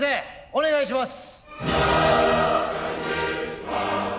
お願いします。